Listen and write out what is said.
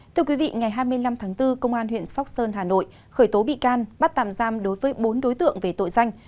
thưa quý vị ngày hai mươi năm tháng bốn công an huyện sóc sơn hà nội khởi tố bị can bắt tạm giam đối với bốn đối tượng về tội danh